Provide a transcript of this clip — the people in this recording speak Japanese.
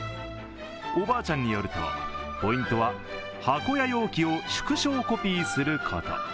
おばあちゃんによるとポイントは箱や容器を縮小コピーすること。